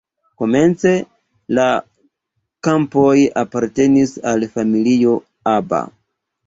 Komence la kampoj apartenis al familio Aba.